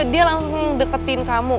dia langsung deketin kamu